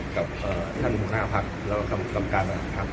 กับเอ่อท่านหัวหน้าพักษณ์แล้วก็กรรมกรรมการบรรชน์ครับ